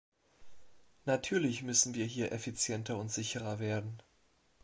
Natürlich müssen wir hier effizienter und sicherer werden.